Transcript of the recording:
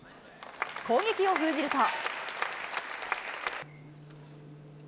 攻撃を封じると。